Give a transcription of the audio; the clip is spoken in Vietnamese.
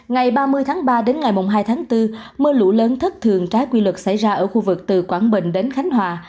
ngày ba mươi tháng ba đến ngày hai tháng bốn mưa lũ lớn thất thường trái quy luật xảy ra ở khu vực từ quảng bình đến khánh hòa